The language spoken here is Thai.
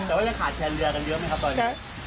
แต่ว่ายังขาดแคลนเรือกันเยอะไหมครับตอนนี้